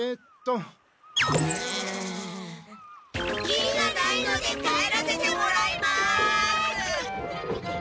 キリがないので帰らせてもらいます！